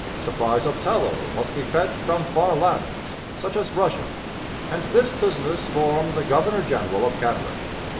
Supplies of tallow must be fetched from far lands, such as Russia. And this business formed the governor general of Canada.